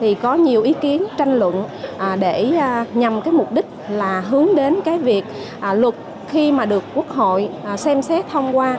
thì có nhiều ý kiến tranh luận để nhằm cái mục đích là hướng đến cái việc luật khi mà được quốc hội xem xét thông qua